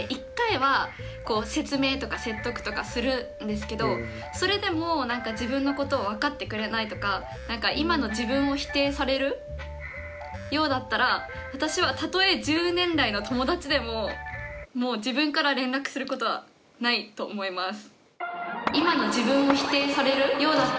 １０年来の友達だからそれでも自分のことを分かってくれないとか今の自分を否定されるようだったら私はたとえ１０年来の友達でももう自分から連絡することはないと思います。